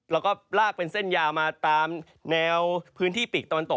แล้วก็ลากเป็นเส้นยาวมาตามแนวพื้นที่ปีกตะวันตก